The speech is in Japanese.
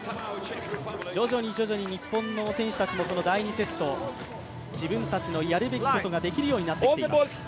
徐々に徐々に日本の選手たちも、第２セット、自分たちのやるべきことができるようになってきています。